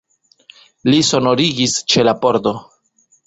Li sonorigis ĉe la pordo.